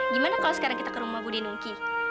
gimana kalau sekarang kita ke rumah budi nungki